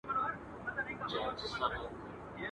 خواره سې مکاري، چي هم جنگ کوې، هم ژاړې.